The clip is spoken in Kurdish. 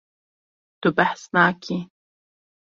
Tu behs nakî.